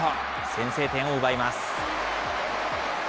先制点を奪います。